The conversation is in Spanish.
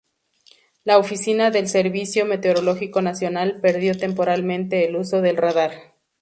La oficina del Servicio Meteorológico Nacional perdió temporalmente el uso del radar.